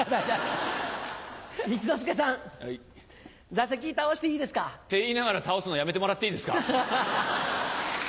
座席倒していいですか？って言いながら倒すのやめてもらっていいですか。